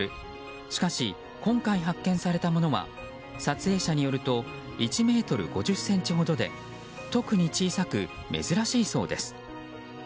しかし、今回発見されたものは撮影者によると１ｍ５０ｃｍほどで特に小さく、珍しいそうです。